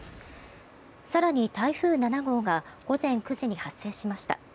更に、台風７号が午前９時に発生しました。